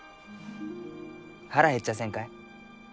腹減っちゃあせんかえ？